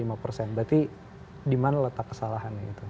berarti di mana letak kesalahannya itu